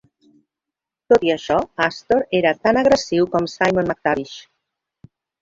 Tot i això, Astor era tan agressiu com Simon McTavish.